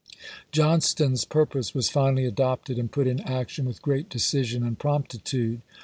p. 193." Johnston's purpose was finally adopted and put in action with great decision and promptitude.